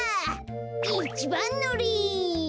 いちばんのり。